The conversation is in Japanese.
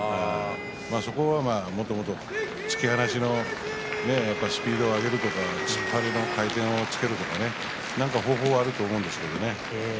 そこはもっともっと突き放しのスピードを上げるとか突っ張りの回転をつけるとか何か方法はあると思うんですけどね。